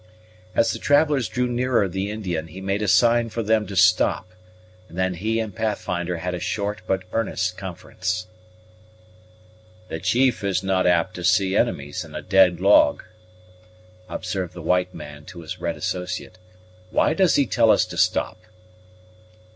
As the travellers drew nearer the Indian, he made a sign for them to stop; and then he and Pathfinder had a short but earnest conference. "The Chief is not apt to see enemies in a dead log," observed the white man to his red associate; "why does he tell us to stop?"